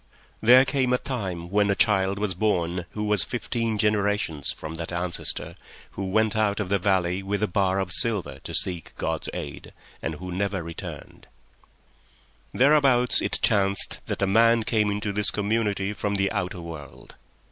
There came a time when a child was born who was fifteen generations from that ancestor who went out of the valley with a bar of silver to seek God's aid, and who never returned. Thereabout it chanced that a man came into this community from the outer world.